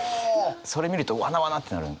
それ見るとわなわなってなる。